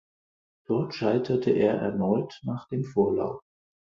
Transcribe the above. Dort scheiterte er erneut nach dem Vorlauf.